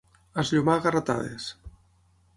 Esllomar a garrotades.